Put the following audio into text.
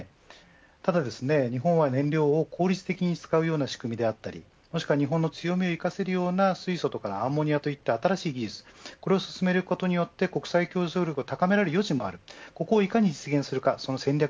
ただ日本は燃料を効率的に使う仕組みであったり日本の強みを生かせるような水素とかアンモニアといった新しい技術これを進めることによって国際競争力を高められる余地もある。